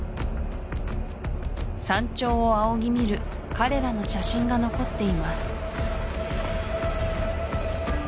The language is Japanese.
山頂を仰ぎ見る彼らの写真が残っています